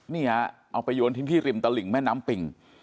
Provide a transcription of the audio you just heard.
เอาไปโยนทิ้งที่ริมตลิ่งแม่น้ำปิ่ง